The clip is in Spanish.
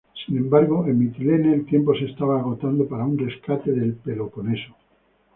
Sin embargo, en Mitilene el tiempo se estaba agotando para un rescate del Peloponeso.